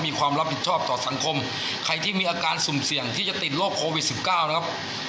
มีความรับผิดชอบต่อสังคมใครที่มีอาการสุ่มเสี่ยงที่จะติดโรคโควิด๑๙นะครับ